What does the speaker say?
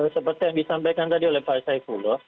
seperti yang disampaikan tadi oleh pak saifullah